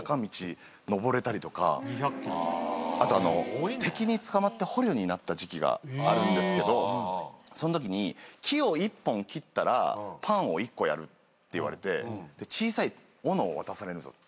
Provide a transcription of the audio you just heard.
あと敵に捕まって捕虜になった時期があるんですけどそんときに「木を１本切ったらパンを１個やる」って言われて小さいおのを渡されるんですよ。